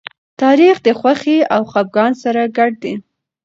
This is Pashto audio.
تاریخ د خوښۍ او خپګان سره ګډ دی.